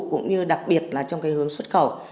cũng như đặc biệt là trong cái hướng xuất khẩu